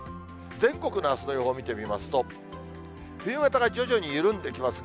全国のあすの予報見てみますと、冬型が徐々に緩んできますね。